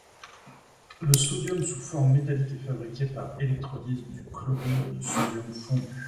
Le sodium sous forme métallique est fabriqué par électrolyse du chlorure de sodium fondu.